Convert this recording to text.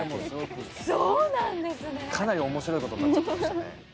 かなり面白いことになってました。